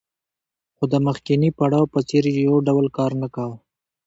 خو د مخکیني پړاو په څېر یې یو ډول کار نه کاوه